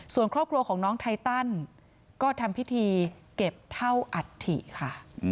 ส่วนครอบครัวของน้องไทตันก็ทำพิธีเก็บเท่าอัฐิค่ะ